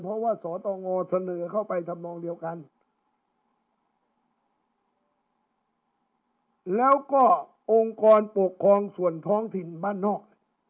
เพราะว่าสตงเสนอเข้าไปทำนองเดียวกันแล้วก็องค์กรปกครองส่วนท้องถิ่นบ้านนอก